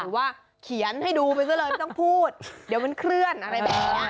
ว่าเขียนให้ดูไปซะเลยไม่ต้องพูดเดี๋ยวมันเคลื่อนอะไรแบบนี้